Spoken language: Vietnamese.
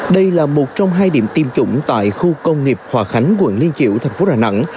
đây là một trong hai điểm tiêm chủng tại khu công nghiệp hòa khánh quận liên triểu thành phố đà nẵng